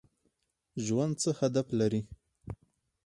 ژوند څه هدف لري؟